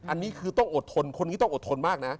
อันนี้คือต้องอดทนคนนี้ต้องอดทนมากนะ